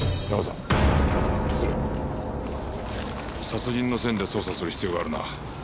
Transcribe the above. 殺人の線で捜査する必要があるな。